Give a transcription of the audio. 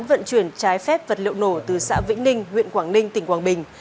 vận chuyển trái phép vật liệu nổ từ xã vĩnh ninh huyện quảng ninh tỉnh quảng bình